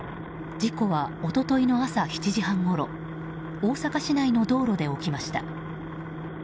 事故は一昨日の朝７時半ごろ大阪市内の道路で起きました。